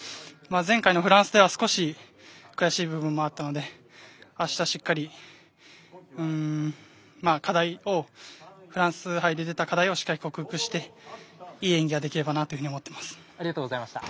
前回のフランスでは少し悔しい部分もあったのであした、しっかりフランス杯で出た課題をしっかり克服していい演技ができればなありがとうございました。